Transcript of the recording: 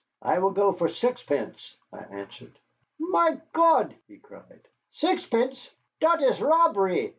"I will go for sixpence," I answered. "Mein Gott!" he cried, "sixpence. Dot is robbery."